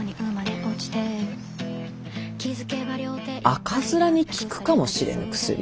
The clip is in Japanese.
赤面に効くかもしれぬ薬？